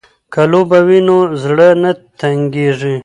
که لوبه وي نو زړه نه تنګیږي.